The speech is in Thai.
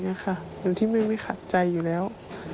อยู่ที่แม่ไม่ขัดใจอยู่แล้ว